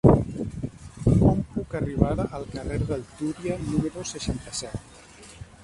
Com puc arribar al carrer del Túria número seixanta-set?